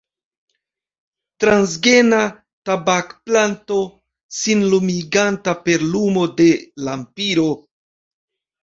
Transgena tabakplanto sin lumiganta per lumo de lampiro.